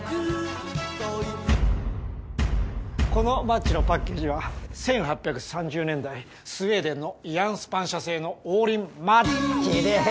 このマッチのパッケージは１８３０年代スウェーデンのイヤンスパン社製の黄りんマッチです！